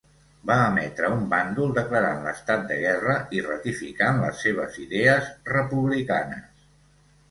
Va emetre un bàndol declarant l'estat de guerra i ratificant les seves idees republicanes.